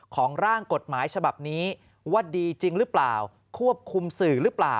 ร่างกฎหมายฉบับนี้ว่าดีจริงหรือเปล่าควบคุมสื่อหรือเปล่า